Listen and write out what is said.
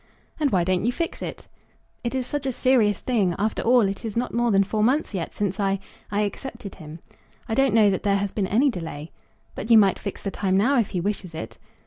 "And why don't you fix it?" "It is such a serious thing! After all it is not more than four months yet since I I accepted him. I don't know that there has been any delay." "But you might fix the time now, if he wishes it."